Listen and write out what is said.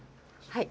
はい。